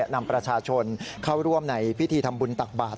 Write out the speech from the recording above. นำประชาชนเข้าร่วมในพิธีทำบุญตักบาท